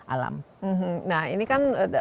alam nah ini kan